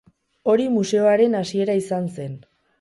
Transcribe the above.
Hori museoaren hasiera izan zen.